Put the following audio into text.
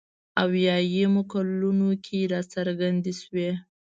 اویایمو کلونو کې راڅرګندې شوې.